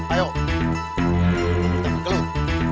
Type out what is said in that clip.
ayo kita bergelut